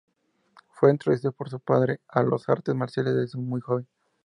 Fue introducido por su padre a las Artes Marciales desde muy joven.